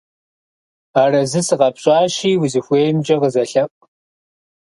Арэзы сыкъэпщӀащи, узыхуеймкӀэ къызэлъэӀу.